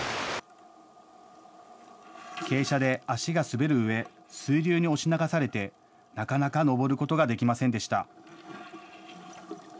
傾斜で足が滑るうえ水流に押し流されて、なかなか上ることができませんでした。